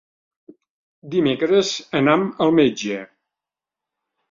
Dimecres anam al metge.